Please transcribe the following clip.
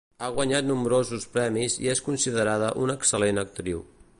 Ha guanyat nombrosos premis i és considerada una excel·lent actriu.